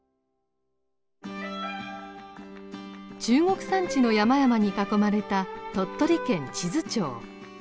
中国山地の山々に囲まれた鳥取県智頭町。